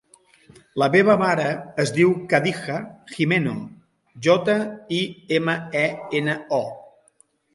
La meva mare es diu Khadija Jimeno: jota, i, ema, e, ena, o.